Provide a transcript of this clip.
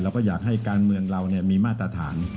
เราก็อยากให้การเมืองเรามีมาตรฐาน